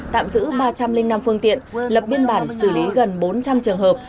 tạm giữ ba trăm linh năm phương tiện lập biên bản xử lý gần bốn trăm linh trường hợp